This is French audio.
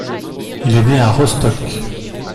Il est né à Rostock.